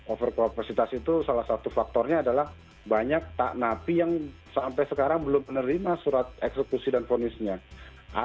over capacity itu salah satu faktornya adalah banyak tak napi yang sampai sekarang belum menerima surat eksekusi dan fonisnya